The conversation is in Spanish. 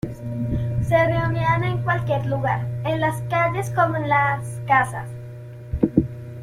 Se reunían en cualquier lugar, en las calles como en las casas.